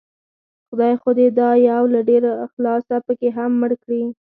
خدای خو دې دا يو له ډېر اخلاصه پکې هم مړ کړي